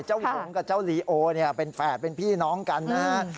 เจ้าหงกับเจ้าลีโอเป็นแฝดเป็นพี่น้องกันนะฮะ